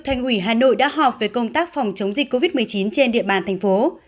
thành ủy hà nội đã họp về công tác phòng chống dịch covid một mươi chín trên địa bàn thành phố